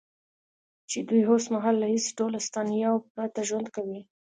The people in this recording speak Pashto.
چې دوی اوس مهال له هېڅ ډول اسانتیاوو پرته ژوند کوي